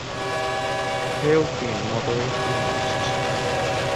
Tail fin moderately notched.